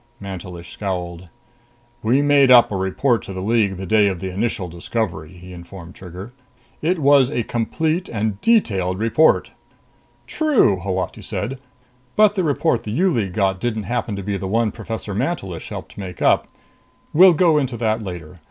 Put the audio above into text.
Mantelish scowled. "We made up a report to the League the day of the initial discovery," he informed Trigger. "It was a complete and detailed report!" "True," Holati said, "but the report the U League got didn't happen to be the one Professor Mantelish helped make up. We'll go into that later.